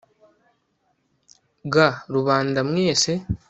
g rubanda mwese